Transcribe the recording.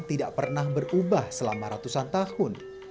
tidak pernah berubah selama ratusan tahun